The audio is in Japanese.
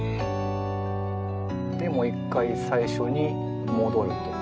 でもう一回最初に戻ると。